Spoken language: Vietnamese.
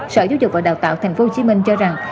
sở giáo dục và đào tạo tp hcm cho rằng